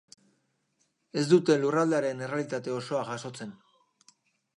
Ez dute lurraldearen errealitate osoa jasotzen.